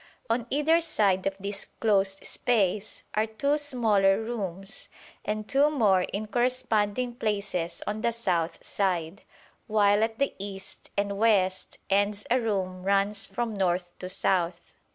On either side of this closed space are two smaller rooms and two more in corresponding places on the south side, while at the east and west ends a room runs from north to south.